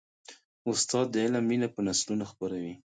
استاد د علم مینه په نسلونو خپروي.